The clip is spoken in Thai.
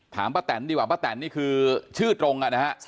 ถามป้าแตนดีกว่าป้าแตนนี่คือชื่อตรง